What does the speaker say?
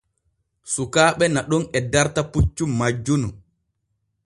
Sukaaɓe naɗon e darta puccu majjunu.